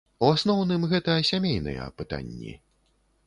У асноўным, гэта сямейныя пытанні.